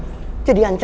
aku bisa pilih bantuan